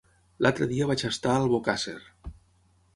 L'altre dia vaig estar a Albocàsser.